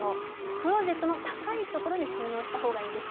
クローゼットの高いところに収納した方がいいんです。